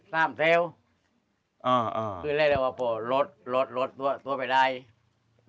อะไรคือว่าโหะแล้วแล้วตัวไปเรียก